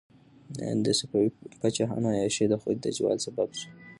د صفوي پاچاهانو عیاشي د هغوی د زوال سبب شوه.